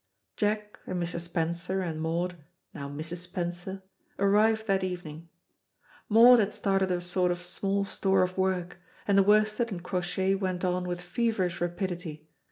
Jack and Mr. Spencer and Maud, now Mrs. Spencer, arrived that evening. Maud had started a sort of small store of work, and the worsted and crochet went on with feverish rapidity.